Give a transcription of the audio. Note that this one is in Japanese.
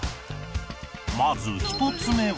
まず１つ目は